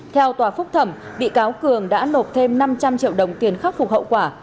theo tòa phúc thẩm bị cáo cường đã nộp thêm năm trăm linh triệu đồng tiền khắc phục hậu quả